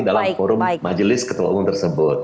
dalam forum majelis ketua umum tersebut